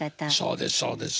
そうですそうです。